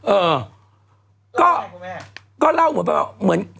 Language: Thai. เออก็เล่าเหมือน